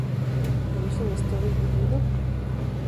¿hubiesen ustedes vivido?